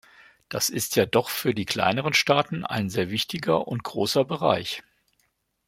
Das ist ja doch für die kleineren Staaten ein sehr wichtiger und großer Bereich.